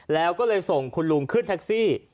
แล้วก็เลยส่งคุณลุงขึ้นแท็กซี่